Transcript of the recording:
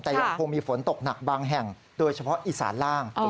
แต่ยังคงมีฝนตกหนักบางแห่งโดยเฉพาะอีสานล่าง